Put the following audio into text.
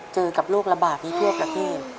เจอกับโรคระบาดนี้เพียบกระเทศ